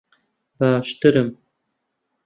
باشترم.